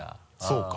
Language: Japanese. そうか。